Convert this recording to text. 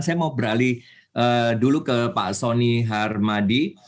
saya mau beralih dulu ke pak soni harmadi